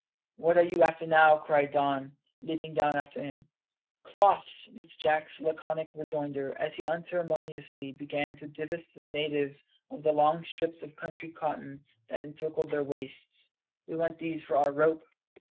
"What are you after now?" cried Don, leaping down after him. "Cloths," was Jack's laconic rejoinder, as he unceremoniously began to divest the natives of the long strips of country cotton that encircled their waists. "We want these for our rope."